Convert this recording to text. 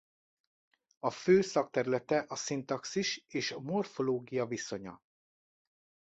A fő szakterülete a szintaxis és a morfológia viszonya.